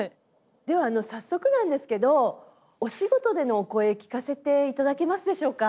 では早速なんですけどお仕事でのお声聞かせていただけますでしょうか？